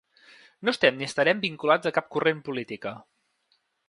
No estem ni estarem vinculats a cap corrent política.